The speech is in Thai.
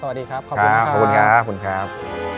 สวัสดีครับขอบคุณมากครับ